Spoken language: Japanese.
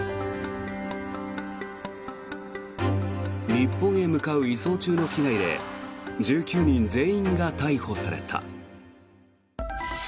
日本へ向かう移送中の機内で１９人全員が逮捕された。